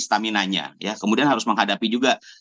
stamina nya ya kemudian harus menghadapi juga